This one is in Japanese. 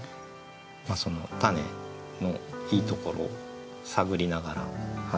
そのたねのいいところを探りながら。